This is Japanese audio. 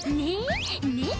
ねっ？